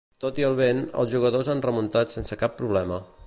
Tot i el vent, els jugadors han remuntat sense cap problema.